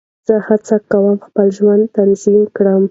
زه هڅه کوم خپل ژوند تنظیم کړم.